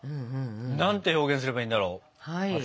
何て表現すればいいんだろう。